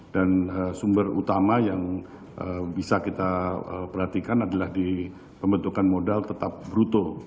dan sumber utama yang bisa kita perhatikan adalah di pembentukan modal tetap bruto